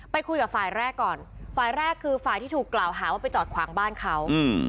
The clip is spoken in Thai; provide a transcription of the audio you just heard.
คุยกับฝ่ายแรกก่อนฝ่ายแรกคือฝ่ายที่ถูกกล่าวหาว่าไปจอดขวางบ้านเขาอืม